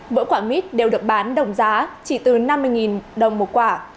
mỗi quả mít đều được bán đồng giá chỉ từ năm mươi đồng một quả